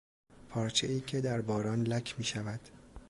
پارچهای که در باران لک میشود